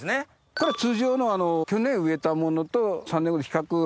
これ通常の去年植えたものと三年子の比較。